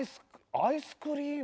アイスクリーム。